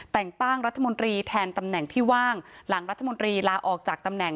แต่งตั้งรัฐมนตรีแทนตำแหน่งที่ว่างหลังรัฐมนตรีลาออกจากตำแหน่ง